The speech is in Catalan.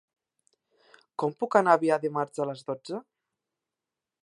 Com puc anar a Biar dimarts a les dotze?